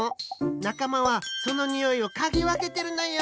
なかまはそのにおいをかぎわけてるのよ！